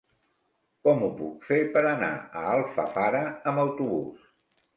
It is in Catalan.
Com ho puc fer per anar a Alfafara amb autobús?